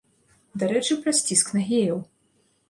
Дарэчы, праз ціск на геяў.